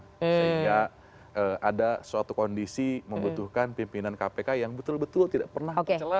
sehingga ada suatu kondisi membutuhkan pimpinan kpk yang betul betul tidak pernah celah